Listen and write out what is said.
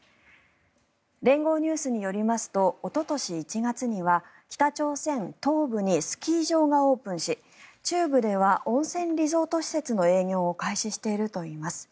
連合ニュースによりますとおととし１月には北朝鮮東部にスキー場がオープンし中部では温泉リゾート施設の営業を開始しているといいます。